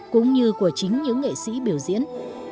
cũng như của chính những nghệ sĩ biểu diễn